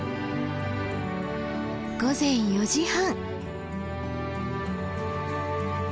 午前４時半。